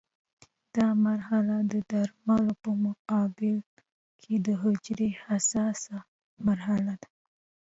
دا مرحله د درملو په مقابل کې د حجرې حساسه مرحله ده.